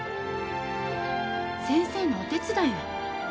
先生のお手伝いを。